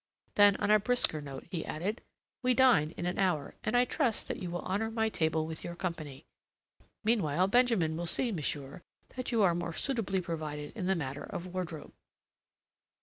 Then on a brisker note he added: "We dine in an hour, and I trust that you will honour my table with your company. Meanwhile, Benjamin will see, monsieur, that you are more suitably provided in the matter of wardrobe."